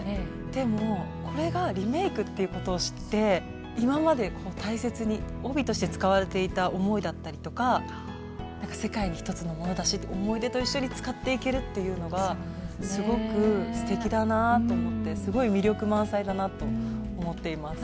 でもこれがリメイクっていうことを知って今まで大切に帯として使われていた思いだったりとか世界に一つのものだし思い出と一緒に使っていけるっていうのがすごくすてきだなぁと思ってすごい魅力満載だなと思っています。